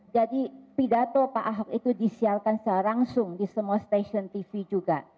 jadi pidato pak ahok itu disiarkan secara langsung di semua stasiun tv juga